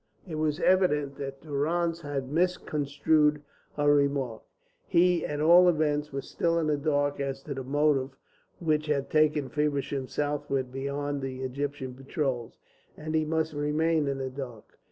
It was evident that Durrance had misconstrued her remark. He at all events was still in the dark as to the motive which had taken Feversham southward beyond the Egyptian patrols. And he must remain in the dark.